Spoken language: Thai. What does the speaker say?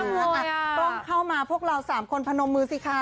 กล้องเข้ามาพวกเรา๓คนพนมมือสิคะ